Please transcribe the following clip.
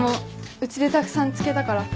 うちでたくさん漬けたから。